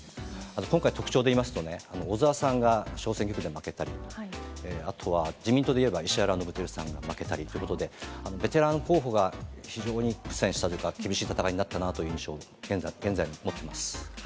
今回、特徴で言いますとね、小沢さんが小選挙区で負けたり、あとは、自民党でいえば、石原伸晃さんが負けたりということで、ベテラン候補が非常に苦戦したというか、厳しい戦いになったなという印象を現在、持ってます。